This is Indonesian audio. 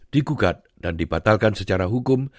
digugat dan dibatalkan secara hukum